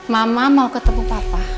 mama mau ketemu papa